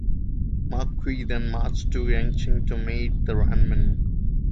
Ma Qiu then marched to Yecheng to meet with Ran Min.